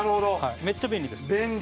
めっちゃ便利です。